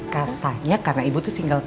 katanya karena ibu tuh single